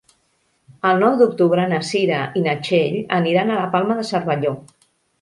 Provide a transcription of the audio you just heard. El nou d'octubre na Cira i na Txell aniran a la Palma de Cervelló.